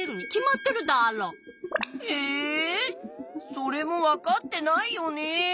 それもわかってないよね。